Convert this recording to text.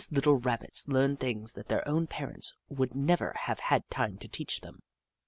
Jenny Ragtail 187 Rabbits learned things that their own parents would never have had time to teach them.